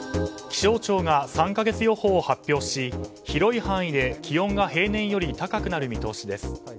気象庁が３か月予報を発表し広い範囲で、気温が平年より高くなる見通しです。